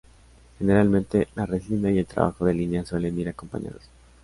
Generalmente, la resina y el trabajo de línea suelen ir acompañados.